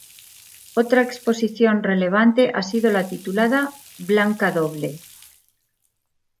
Otra exposición relevante ha sido la titulada “"Blanca Doble.